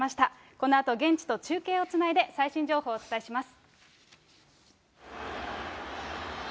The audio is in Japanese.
このあと現地と中継をつないで、最新情報をお伝えします。